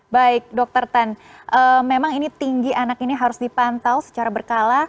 baik dokter tan memang ini tinggi anak ini harus dipantau secara berkala